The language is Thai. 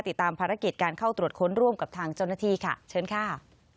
ติดตามภารกิจการเข้าตรวจค้นร่วมกับทางเจ้าหน้าที่ค่ะเชิญค่ะ